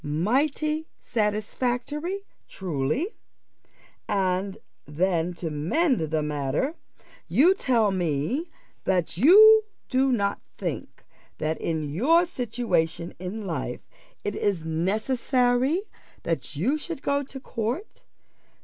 Mighty satisfactory, truly! And then, to mend the matter, you tell me that you do not think that in your situation in life it is necessary that you should go to court.